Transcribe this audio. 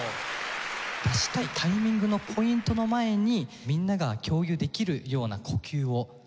出したいタイミングのポイントの前にみんなが共有できるような呼吸を。